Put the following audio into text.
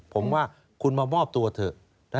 ผมว่าคุณมามอบตัวเถอะ